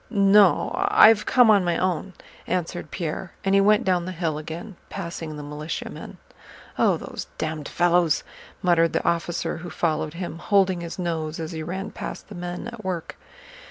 "No, I've come on my own," answered Pierre, and he went down the hill again, passing the militiamen. "Oh, those damned fellows!" muttered the officer who followed him, holding his nose as he ran past the men at work.